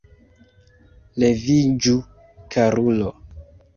Leviĝu, karulo!